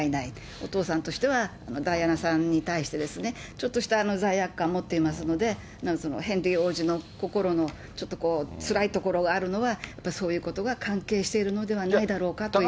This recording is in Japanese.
お父さんとしては、ダイアナさんに対してちょっとした罪悪感持っていますので、ヘンリー王子の心のちょっとこう、つらいところがあるのは、やっぱりそういうことが関係しているのではないかだろうかという。